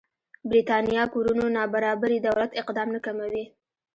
برېتانيا کورونو نابرابري دولت اقدام نه کموي.